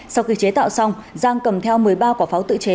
sau khi chế tạo xong giang cầm theo một mươi ba quả pháo tự chế